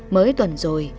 mới tuần rồi